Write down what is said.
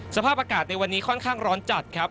สภาพอากาศในวันนี้ค่อนข้างร้อนจัดครับ